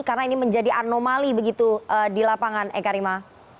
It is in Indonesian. karena ini menjadi anomali begitu di lapangan eka rima